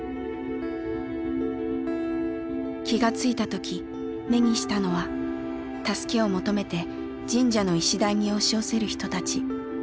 気がついた時目にしたのは助けを求めて神社の石段に押し寄せる人たち。